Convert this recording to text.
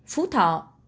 sáu phú thọ